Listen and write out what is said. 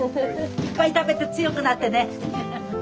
いっぱい食べて強くなってね！